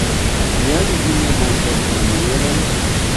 Kial vi ne manĝas la mielon?